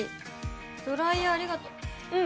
ドライヤーありがとう